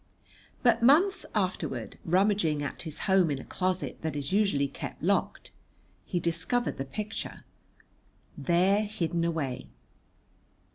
But months afterward, rummaging at his home in a closet that is usually kept locked, he discovered the picture, there hidden away.